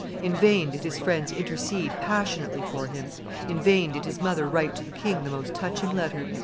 In vain did his friends intercede passionately for him; in vain did his mother write to the king the most touching letter.